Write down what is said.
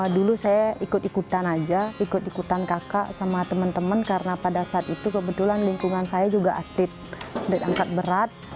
dulu saya ikut ikutan aja ikut ikutan kakak sama teman teman karena pada saat itu kebetulan lingkungan saya juga atlet angkat berat